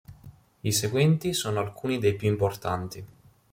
I seguenti sono alcuni dei più importanti.